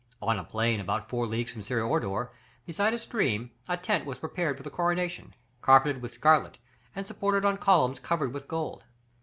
On a plain about four leagues from Syra Orda, beside a stream, a tent was prepared for the Coronation, carpeted with scarlet, and supported on columns covered with gold.